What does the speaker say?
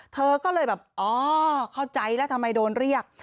เธอก็เลยแบบอ๋อเข้าใจแล้วทำไมโดนเรียก